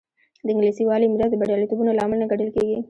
د انګلیسي والي میراث د بریالیتوبونو لامل نه ګڼل کېږي.